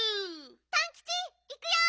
・パンキチいくよ！